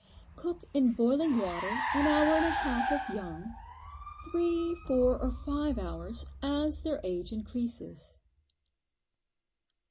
Cook in boiling water an hour and a half if young, three, four or five hours as their age increases.